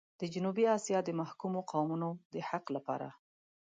د جنوبي اسيا د محکومو قومونو د حق لپاره.